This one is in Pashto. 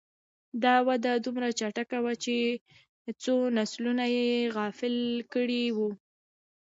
دا وده دومره چټکه وه چې څو نسلونه یې غافل کړي وو.